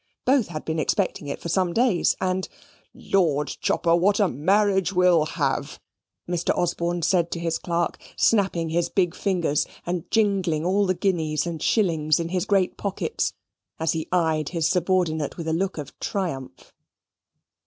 Both had been expecting it for some days and "Lord! Chopper, what a marriage we'll have!" Mr. Osborne said to his clerk, snapping his big fingers, and jingling all the guineas and shillings in his great pockets as he eyed his subordinate with a look of triumph.